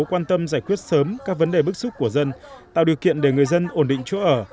quan tâm giải quyết sớm các vấn đề bức xúc của dân tạo điều kiện để người dân ổn định chỗ ở